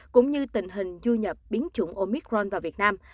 cũng như tình hình du nhập biến chủng omicron vào việt nam